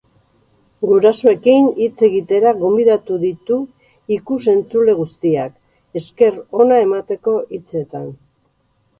Gurasoekin hitz egitera gonbidatu ditu ikus-entzule guztiak, esker ona emateko hitzetan.